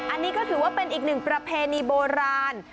อันนี้ก็ถือว่าเป็นอีกหนึ่งประเพณีโบราณ